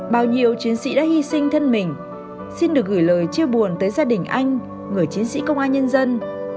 bao nhiêu chiến sĩ đã hy sinh thân mình xin được gửi lời chia buồn tới gia đình anh người chiến sĩ công an nhân dân